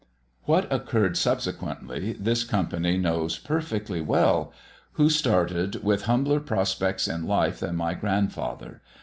What occurred subsequently, this company knows perfectly well. Who started with humbler prospects in life than my grandfather?